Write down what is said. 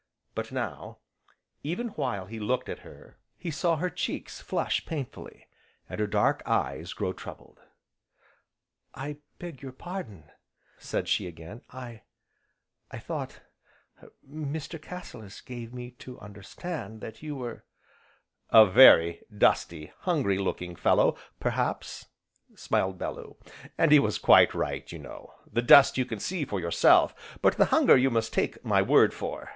But now, even while he looked at her, he saw her cheeks flush painfully, and her dark eyes grow troubled. "I beg your pardon!" said she again, "I I thought Mr. Cassilis gave me to understand that you were " "A very dusty, hungry looking fellow, perhaps," smiled Bellew, "and he was quite right, you know; the dust you can see for yourself, but the hunger you must take my word for.